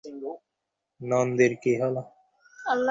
নন্দির কি হলো?